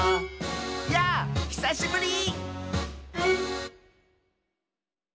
「やぁひさしぶり！」